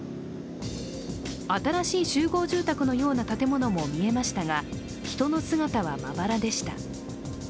新しい集合住宅のような建物も見えましたが、人の姿はまばらでした。